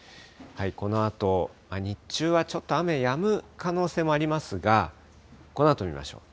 このあと日中はちょっと雨、やむ可能性もありますが、このあと見ましょう。